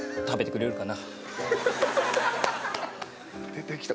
出てきた。